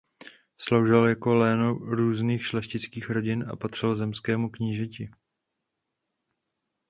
Sloužil jako léno různých šlechtických rodin a patřil zemskému knížeti.